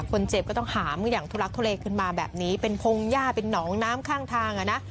คนเจ็บก็ต้องหามกันอย่างทุลักทุเลขึ้นมาแบบนี้เป็นพงหญ้าเป็นหนองน้ำข้างทางอ่ะนะ